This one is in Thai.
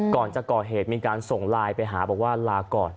ก่อนจะก่อเหตุมีการส่งไลน์ไปหาบอกว่าลาก่อน